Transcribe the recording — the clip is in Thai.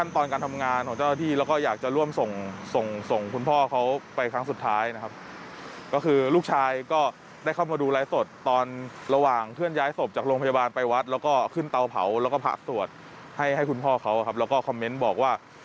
ตรวจให้คุณพ่อเขาครับแล้วก็คอมเมนต์บอกว่า